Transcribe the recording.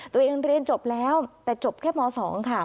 เรียนจบแล้วแต่จบแค่ม๒ค่ะ